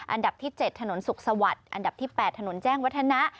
อันดับที่๗ถนนสุขสวัสดิ์อันดับที่๘ถนนแจ้งวัฒนะ